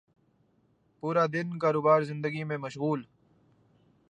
پورا دن کاروبار زندگی میں مشغول